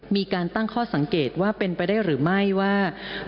มีการตั้งข้อสังเกตว่าเป็นไปได้หรือไม่ว่า